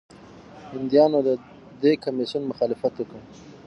هندیانو د دې کمیسیون مخالفت وکړ.